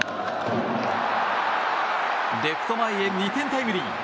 レフト前へ２点タイムリー。